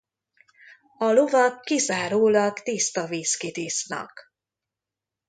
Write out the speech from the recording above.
A lovak kizárólag tiszta whiskyt isznak.